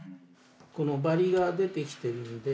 このバリが出てきてるんで。